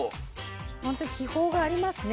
本当に気泡がありますね